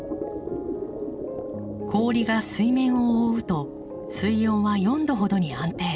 氷が水面を覆うと水温は４度ほどに安定。